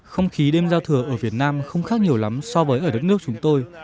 không khí đêm giao thừa ở việt nam không khác nhiều lắm so với ở đất nước chúng tôi